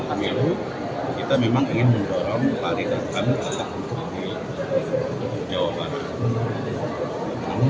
bumi selaku wakil ketahuan